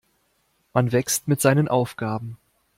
Man wächst mit seinen Aufgaben.